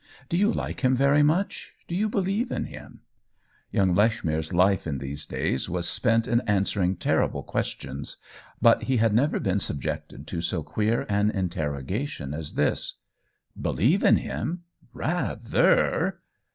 " Do you like him very much — do you believe in him ?" Young Lechmere's life in these days was spent in answering terrible questions; but he had never been subjected to so queer an 158 OWEN WINGRAVE interrogation as this. " Believe in him ? Rather